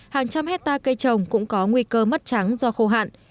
hàng trăm hectare cây trồng cũng có nguy cơ mất trắng do khô hạn